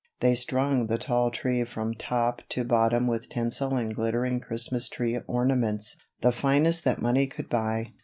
They strung the tall tree from top to bottom with tinsel and glittering Christmas tree ornaments, the finest that money could buy.